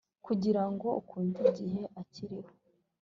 kugirango ukunde igihe akiriho,